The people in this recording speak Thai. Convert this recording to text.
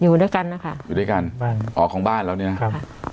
อยู่ด้วยกันนะคะอยู่ด้วยกันบ้านอ๋อของบ้านเราเนี่ยนะครับ